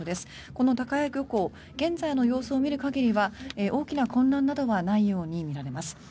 この高屋漁港現在の様子を見る限りは大きな混乱などはないようにみられます。